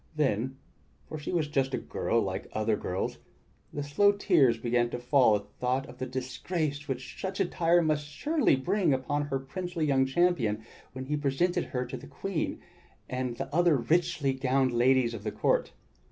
Then— for she was just a girl like other girls — the slow tears began to fall at the thought of the disgrace which such attire must surely bring upon her princely young champion when he presented her to the Queen and the other richly gowned ladies of the court.